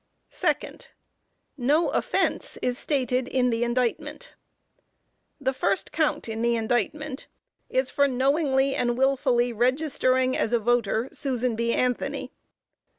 Second. No offense is stated in the indictment. The first count in the indictment is for knowingly and wilfully registering as a voter, Susan B. Anthony.